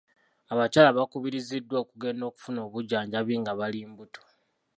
Abakyala bakubiriziddwa okugenda okufuna obujjanjabi nga bali mbuto.